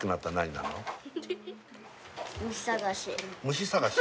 虫探し？